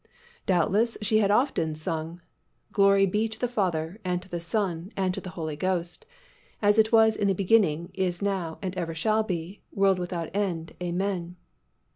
Doubtless she had often sung: "Glory be to the Father, and to the Son, and to the Holy Ghost, As it was in the beginning, is now, and ever shall be, World without end, Amen."